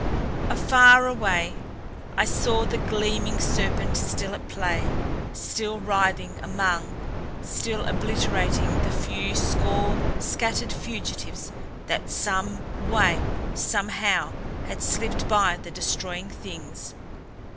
Afar away I saw the gleaming serpent still at play still writhing along, still obliterating the few score scattered fugitives that some way, somehow, had slipped by the Destroying Things.